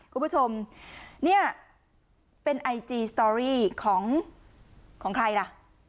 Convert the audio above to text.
คุณผู้ชมเนี่ยเป็นไอจีสตอรี่ของใครล่ะ